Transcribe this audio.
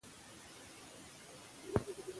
افغانستان کې د وادي لپاره دپرمختیا پروګرامونه شته.